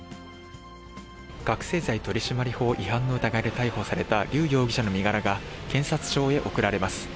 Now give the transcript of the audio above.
覚醒剤取締法違反の疑いで逮捕された、劉容疑者の身柄が、検察庁へ送られます。